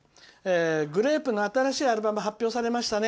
「グレープの新しいアルバム発表されましたね」。